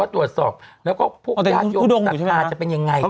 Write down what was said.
แล้วก็พวกยาโยงสัตว์ค่าจะเป็นยังไงกัน